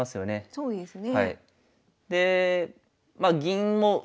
そうですね。